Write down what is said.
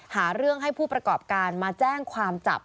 หาเรื่องให้ผู้ประกอบการมาแจ้งความจับ